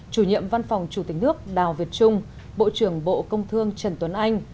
chủ nhiệm văn phòng chủ tịch nước đào việt trung bộ trưởng bộ công thương trần tuấn anh